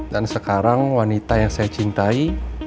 dan sekarang wanita yang saya cintai